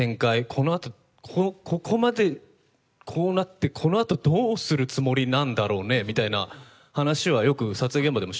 この後ここまでこうなってこの後どうするつもりなんだろうねみたいな話はよく撮影現場でもしてます。